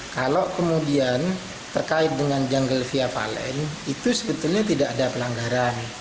kalau kemudian terkait dengan jungle via valen itu sebetulnya tidak ada pelanggaran